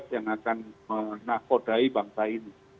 yang akan menakodai bangsa ini